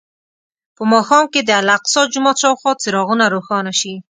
په ماښام کې د الاقصی جومات شاوخوا څراغونه روښانه شي.